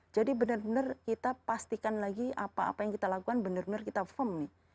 jadi benar benar kita pastikan lagi apa apa yang kita lakukan benar benar kita firm nih